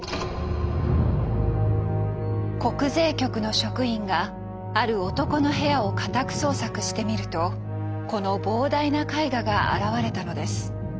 国税局の職員がある男の部屋を家宅捜索してみるとこの膨大な絵画が現れたのです。